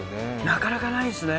なかなかないですね